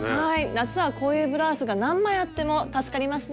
夏はこういうブラウスが何枚あっても助かりますね。